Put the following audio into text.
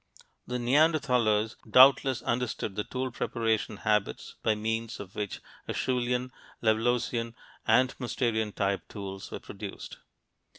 The Neanderthalers doubtless understood the tool preparation habits by means of which Acheulean, Levalloisian and Mousterian type tools were produced.